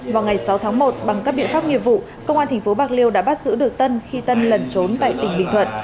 vào ngày sáu tháng một bằng các biện pháp nghiệp vụ công an tp bạc liêu đã bắt giữ được tân khi tân lẩn trốn tại tỉnh bình thuận